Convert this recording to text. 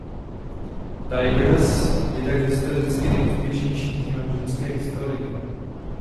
Tigers je tak historicky nejúspěšnějším týmem ženské Extraligy.